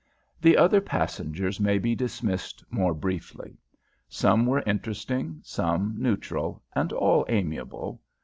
The other passengers may be dismissed more briefly. Some were interesting, some neutral, and all amiable.